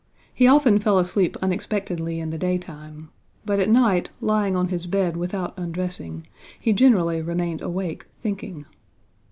He often fell asleep unexpectedly in the daytime, but at night, lying on his bed without undressing, he generally remained awake thinking.